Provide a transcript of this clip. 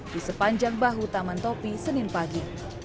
di sepanjang bahu taman topi senin pagi